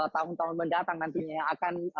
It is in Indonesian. tahun tahun mendatang nantinya yang akan